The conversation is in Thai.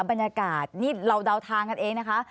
บรรยากาศนี่เราเดาทางกันเองนะคะ